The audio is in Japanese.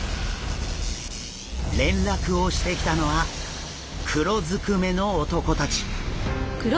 連絡をしてきたのは黒ずくめの男たち。